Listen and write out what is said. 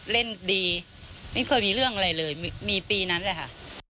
เล่นดีไม่เคยมีเรื่องอะไรเลยมีปีนั้นแหละค่ะ